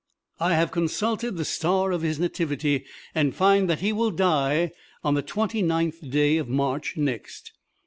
I have consulted the star of his nativity, and find that he will die on the Twenty ninth day of March, next."